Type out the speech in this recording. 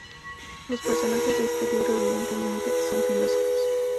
Los personajes de este libro, evidentemente, son filósofos.